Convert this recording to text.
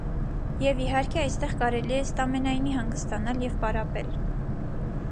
Եվ իհարկե, այստեղ կարելի է ըստ ամենայնի հանգստանալ և պարապել.